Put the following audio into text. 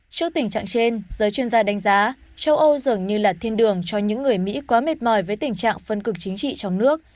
trước tình trạng trên giới chuyên gia đánh giá châu âu dường như là thiên đường cho những người mỹ quá mệt mỏi với tình trạng phân cực chính trị trong nước